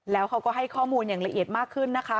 แล้วเขาก็ให้ข้อมูลอย่างละเอียดมากขึ้นนะคะ